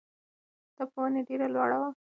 دا په ونې ډېره لوړه وه.